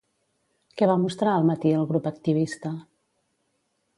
Què va mostrar al matí el grup activista?